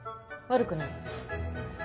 悪くない。